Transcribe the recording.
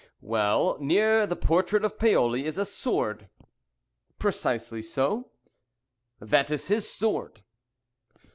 "Well, near the portrait of Paoli is a sword." "Precisely so." "That is his sword."